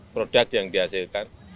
produk yang dihasilkan